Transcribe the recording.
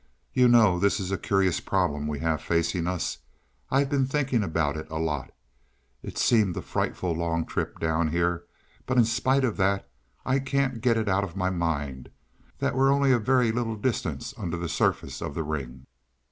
"You know this is a curious problem we have facing us. I've been thinking about it a lot. It seemed a frightful long trip down here, but in spite of that, I can't get it out of my mind that we're only a very little distance under the surface of the ring."